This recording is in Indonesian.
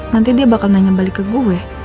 nanti dia bakal nanya balik ke gue